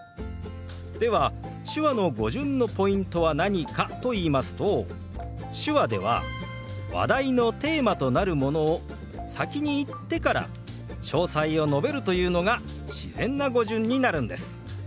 では手話の語順のポイントは何かといいますと手話では話題のテーマとなるものを先に言ってから詳細を述べるというのが自然な語順になるんです。